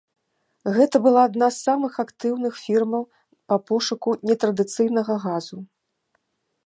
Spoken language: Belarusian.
Гэта была адна з самых актыўных фірмаў па пошуку нетрадыцыйнага газу.